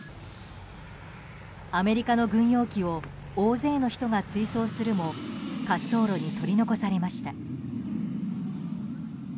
アメリカの軍用機を大勢の人が追走するも滑走路に取り残されました。